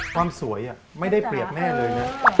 ความสวยไม่ได้เปรียบแม่เลยนะ